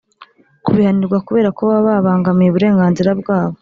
kubihanirwa kubera ko baba babangamiye uburenganzira bwabo.